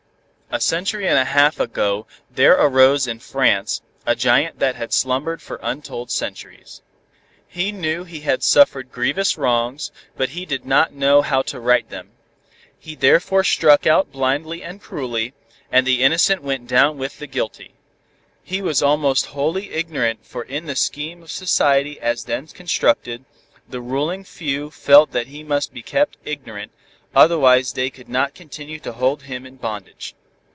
A century and a half ago there arose in France a giant that had slumbered for untold centuries. He knew he had suffered grievous wrongs, but he did not know how to right them. He therefore struck out blindly and cruelly, and the innocent went down with the guilty. He was almost wholly ignorant for in the scheme of society as then constructed, the ruling few felt that he must be kept ignorant, otherwise they could not continue to hold him in bondage.